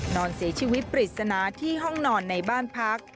นอนเสียชีวิตปริศนาที่ห้องนอนในบ้านพัก